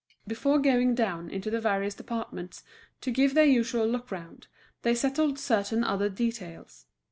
Before going down into the various departments to give their usual look round, they settled certain other details.